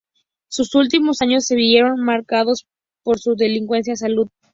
Sus últimos años se vieron marcados por su delicada salud.